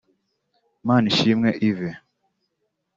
Manishimwe Yves